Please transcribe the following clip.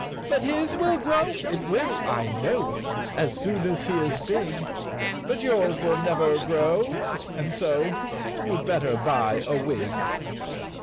" But his will grow, it will, I know, As soon as he is big, But yours will never grow — and so You'd better buy a wig!